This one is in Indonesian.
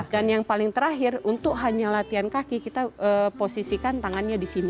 dan yang paling terakhir untuk hanya latihan kaki kita posisikan tangannya disini